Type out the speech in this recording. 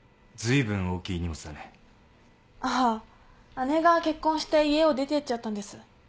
姉が結婚して家を出ていっちゃったんです。